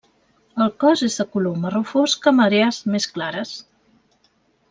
El cos és de color marró fosc amb àrees més clares.